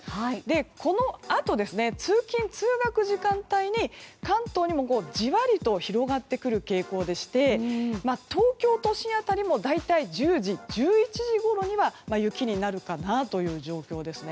このあと、通勤・通学時間帯に関東にもじわりと広がってくる傾向でして東京都心辺りも大体１０時、１１時ごろには雪になるかなという状況ですね。